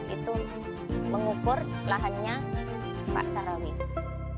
itu mengukur lahannya pak sarawih